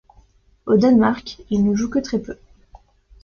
Au Danemark, il ne joue que très peu.